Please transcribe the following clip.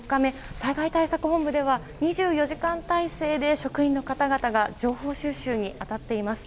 災害対策本部では２４時間態勢で職員の方々が情報収集に当たっています。